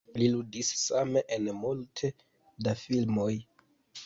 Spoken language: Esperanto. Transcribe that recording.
Li ludis same en multe da filmoj.